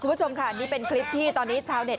คุณผู้ชมค่ะนี่เป็นคลิปที่ตอนนี้ชาวเน็ต